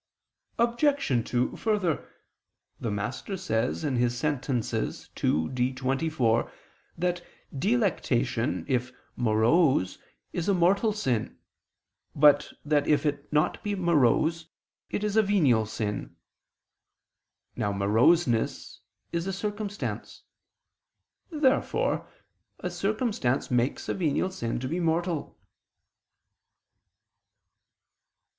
Obj. 2: Further, the Master says (Sentent. ii, D, 24) that delectation, if morose [*See Q. 74, A. 6], is a mortal sin, but that if it be not morose, it is a venial sin. Now moroseness is a circumstance. Therefore a circumstance makes a venial sin to be mortal. Obj.